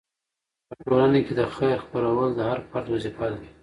په ټولنه کې د خیر خپرول د هر فرد وظیفه ده.